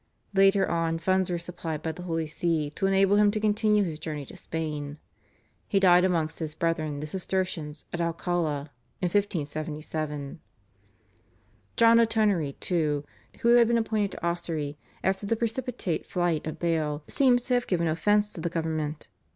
Later on funds were supplied by the Holy See to enable him to continue his journey to Spain. He died amongst his brethren, the Cistercians, at Alcalá in 1577. John O'Tonory, too, who had been appointed to Ossory after the precipitate flight of Bale, seems to have given offence to the government.